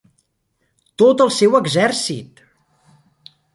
Tot el seu exèrcit!